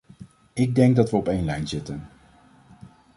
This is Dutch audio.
Ik denk dat we op één lijn zitten.